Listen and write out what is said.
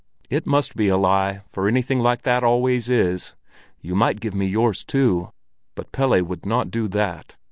"It must be a lie, for anything like that always is. You might give me yours too!" But Pelle would not do that.